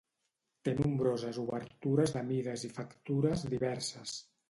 Té nombroses obertures de mides i factures diverses.